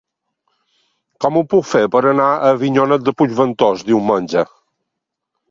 Com ho puc fer per anar a Avinyonet de Puigventós diumenge?